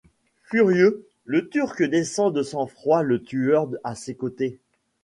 Furieux, le Turc descend de sang-froid le tueur à ses côtés.